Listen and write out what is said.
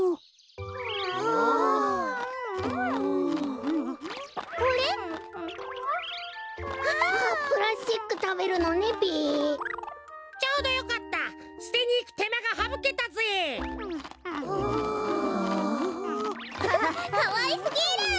フフかわいすぎる。